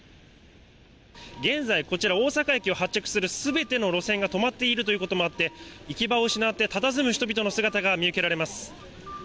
現在、こちら大阪駅を発着するすべての路線が止まっているということもあって、行き場を失ってたたずむ人々の姿が見受けられます。